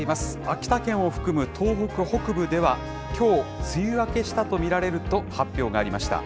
秋田県を含む東北北部では、きょう梅雨明けしたと見られると発表がありました。